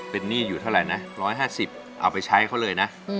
เป็นหนี้อยู่เท่าไหร่นะ๑๕๐เอาไปใช้เขาเลยนะ